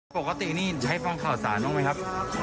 โปรติใช้ฟังข่าวสารบ้างมั้ยครับ